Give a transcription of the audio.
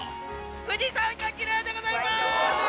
富士山がきれいでございます。